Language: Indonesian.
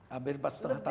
hampir empat setengah tahun